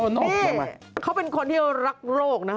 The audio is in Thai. นี่เขาเป็นคนที่รักโรคนะฮะ